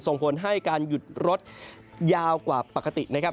ส่งผลให้การหยุดรถยาวกว่าปกตินะครับ